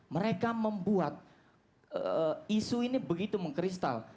mereka membuat isu ini begitu mengkristal